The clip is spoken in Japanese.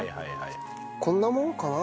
こんなもんかな？